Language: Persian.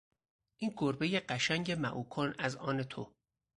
این گربهی قشنگ معو کن از آن تو.